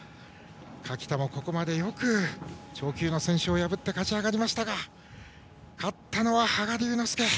垣田もここまでよく超級の選手をやぶって勝ち上がりましたが勝ったのは羽賀龍之介。